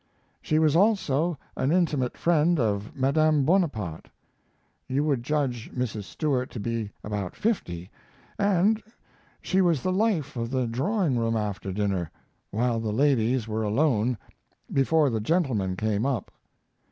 ] She was also an intimate friend of Madame Bonaparte. You would judge Mrs. Stuart to be about fifty, and she was the life of the drawing room after dinner, while the ladies were alone, before the gentlemen came up.